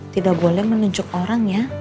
tidak boleh menunjuk orang ya